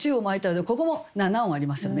でもここも７音ありますよね。